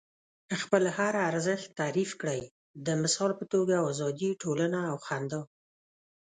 خپل هر ارزښت تعریف کړئ. د مثال په توګه ازادي، ټولنه او خندا.